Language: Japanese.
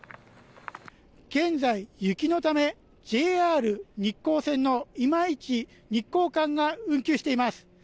現在、雪のためＪＲ日光線の今市日光間が運休しています。